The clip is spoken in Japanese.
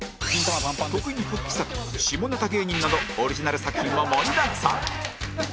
徳井の復帰作下ネタ芸人などオリジナル作品も盛りだくさん